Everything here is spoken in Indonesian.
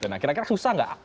nah kira kira susah nggak